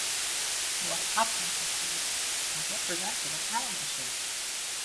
He was often conceived and represented in animal shape.